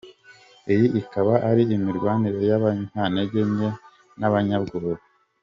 Iyi ikaba ari imirwanire y’abanyantege nke n’abanyabwoba.